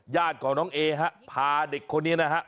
ญาติของน้องเอฮะพาเด็กคนนี้นะฮะ